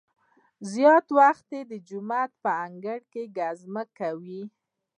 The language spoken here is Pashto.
زیاتره وخت د جومات په انګړ کې ګزمې کوي.